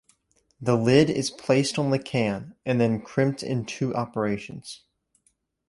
The lid is placed on the can, and then crimped in two operations.